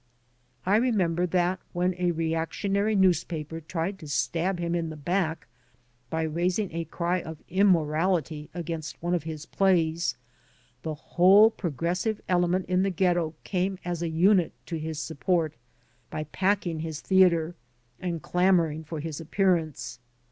I remember that when a reactionary newspaper tried to stab him in the back by raising a cry of immoraUty against one of his plays, the whole progressive element in the Ghetto came as a unit to his support by packing his theater and clamoring for his appearance.